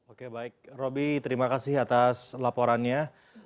oke baik roby terima kasih atas laporannya